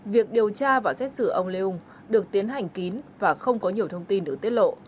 việc điều tra và xét xử ông lê hùng được tiến hành kín và không có nhiều thông tin được tiết lộ